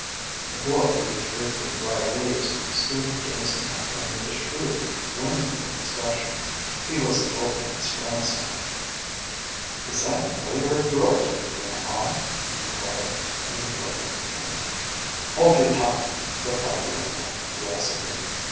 The boy, who was raking dry leaves, stood gazing at them with a shrewd, whimsical expression. He was the old man’s grandson. “Is that a boy or a girl kid, grandpa?‚ÄĚ he inquired, when the gardener returned. “Hold your tongue!‚ÄĚ replied the old man, irascibly.